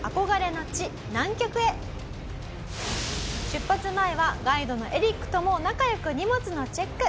出発前はガイドのエリックとも仲良く荷物のチェック。